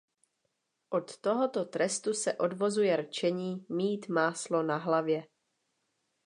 Od tohoto trestu se odvozuje rčení „mít máslo na hlavě“.